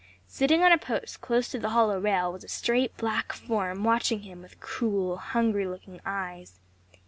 Sitting on a post close to the hollow rail was a straight, black form watching him with cruel, hungry looking eyes.